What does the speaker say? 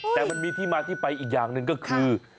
แต่มันมีที่มาที่ไปอีกอย่างหนึ่งก็คือ